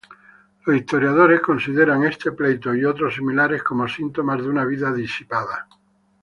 Los historiadores consideran este pleito y otros similares como síntomas de una vida disipada.